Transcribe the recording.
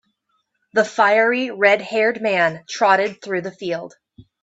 The fiery red-haired man trotted through the field.